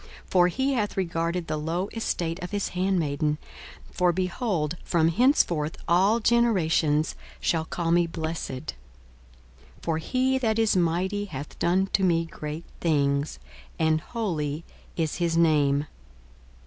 42:001:048 For he hath regarded the low estate of his handmaiden: for, behold, from henceforth all generations shall call me blessed. 42:001:049 For he that is mighty hath done to me great things; and holy is his name.